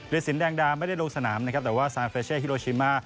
สินแดงดาไม่ได้ลงสนามนะครับแต่ว่าซานเฟเช่ฮิโรชิมา